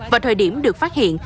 và thời điểm được phát hiện